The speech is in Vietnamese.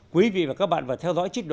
quý vị và các bạn vừa theo dõi trích đoạn